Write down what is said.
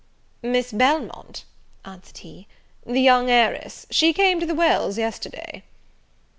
"Miss Belmont," answered he, "the young heiress: she came to the Wells yesterday."